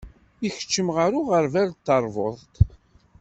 Ikeččem gar uɣeṛbal d teṛbuḍt.